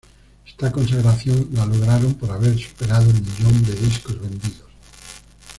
Esta consagración la lograron por haber superado el millón de discos vendidos.